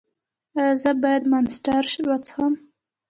ایا زه باید مانسټر وڅښم؟